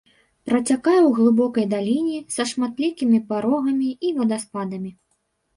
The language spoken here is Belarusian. Працякае ў глыбокай даліне, са шматлікімі парогамі і вадаспадамі.